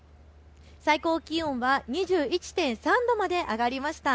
最高気温は２１．３度まで上がりました。